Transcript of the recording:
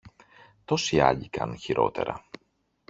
Τόσοι άλλοι κάνουν χειρότερα!